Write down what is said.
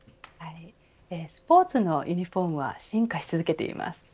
スポーツのユニフォームは進化し続けています。